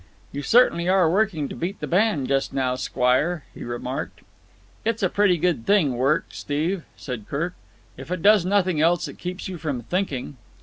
"You certainly are working to beat the band just now, squire," he remarked. "It's a pretty good thing, work, Steve," said Kirk. "If it does nothing else, it keeps you from thinking."